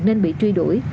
nên bị truy đuổi